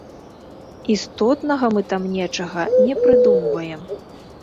Істотнага мы там нечага не прыдумваем.